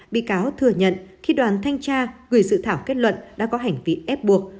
bị cáo thừa nhận khi đoàn thanh tra gửi sự thảo kết luận đã có hành vi ép buộc